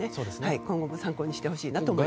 今後も参考にしてほしいなと思います。